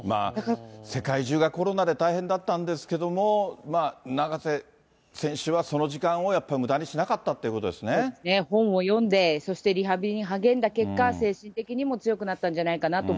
世界中がコロナで大変だったんですけども、永瀬選手はその時間をやっぱり無駄にしなかったっていうことですそうですね、本を読んで、そしてリハビリに励んだ結果、精神的にも強くなったんじゃないかな